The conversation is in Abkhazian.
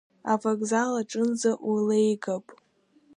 Авокзал аҿынӡа улеигап.